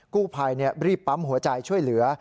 กู้ภัยรีบปั๊มหัวใจช่วยเหลือ